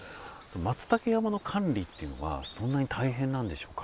マツタケ山の管理っていうのはそんなに大変なんでしょうか。